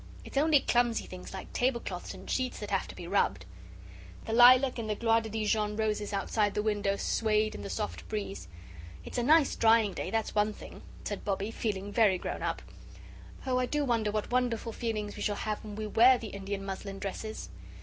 It's only clumsy things like tablecloths and sheets that have to be rubbed." The lilac and the Gloire de Dijon roses outside the window swayed in the soft breeze. "It's a nice drying day that's one thing," said Bobbie, feeling very grown up. "Oh, I do wonder what wonderful feelings we shall have when we WEAR the Indian muslin dresses!"